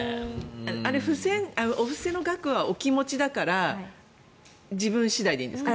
お布施の額はお気持ちだから自分次第でいいんですか。